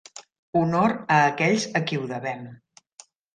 Honor a aquells a qui ho devem!